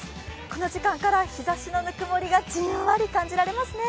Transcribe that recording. この時間から日ざしの温もりがじんわり感じられますね。